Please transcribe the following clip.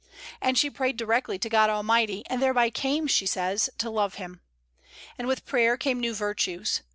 And she prayed directly to God Almighty, and thereby came, she says, to love Him. And with prayer came new virtues.